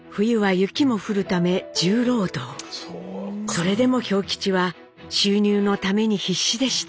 それでも兵吉は収入のために必死でした。